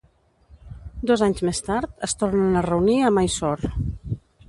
Dos anys més tard, es tornen a reunir a Mysore.